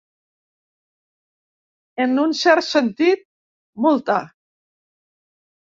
En un cert sentit, multa.